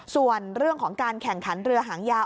ส่วนเรื่องของการแข่งขันเรือหางยาว